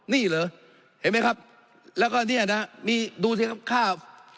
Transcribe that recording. นี่เหรอเห็นไหมครับแล้วก็นี่นะมีดูทีค่า